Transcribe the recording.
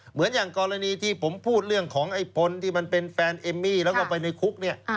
เหมือนอย่างกรณีที่ผมพูดเรื่องของไอ้พลที่มันเป็นแฟนเอมมี่แล้วก็ไปในคุกเนี่ย